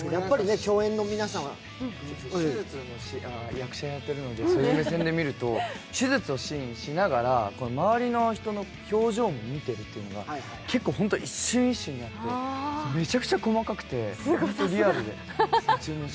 役者やってるので、そういう目線で見ると手術のシーンしながら周りの人の表情も見ているというのは結構、ホント一瞬一瞬にあって、めちゃくちゃ細かくて本当にリアルで。